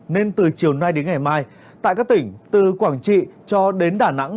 nên từ chiều nay đến ngày mai tại các tỉnh từ quảng trị cho đến đà nẵng